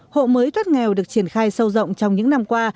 hộ mới thoát nghèo được triển khai sâu rộng trong những năm qua